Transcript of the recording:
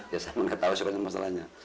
ya saya gak tau soalnya masalahnya